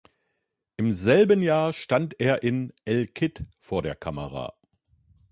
Im selben Jahr stand er in "El Cid" vor der Kamera.